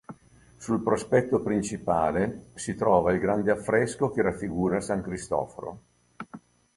Sul prospetto principale si trova il grande affresco che raffigura "San Cristoforo".